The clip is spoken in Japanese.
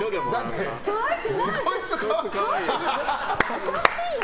おかしいよ！